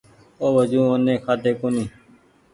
اوُ وجون اوني کآۮو ڪونيٚ